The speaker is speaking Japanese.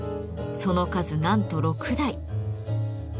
その数なんと６台。